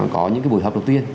có những buổi họp đầu tiên